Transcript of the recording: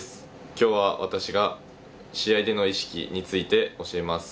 今日は私が試合での意識について教えます。